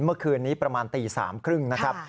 เมื่อคืนนี้ประมาณตี๓๓๐นะครับ